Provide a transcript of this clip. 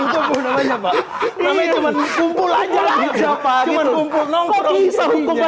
kumpul kumpul aja di jepang itu